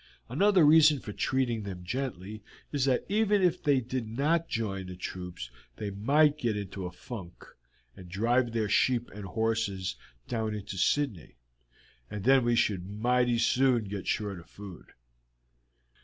Another reason for treating them gently is that even if they did not join the troops they might get into a funk, and drive their sheep and horses down into Sydney, and then we should mighty soon get short of food.